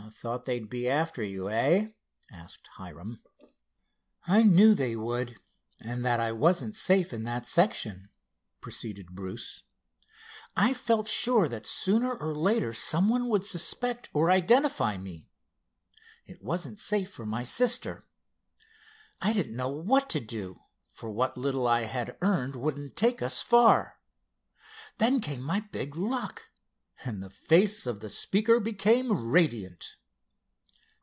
"Thought they'd be after you, eh?" asked Hiram. "I knew they would and that I wasn't safe in that section," proceeded Bruce. "I felt sure that sooner or later some one would suspect or identify me. It wasn't safe for my sister. I didn't know what to do, for what little I had earned wouldn't take us far. Then came my big luck," and the face of the speaker became radiant.